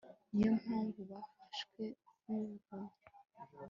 ni yo mpamvu bafashwe n'ubuhumyi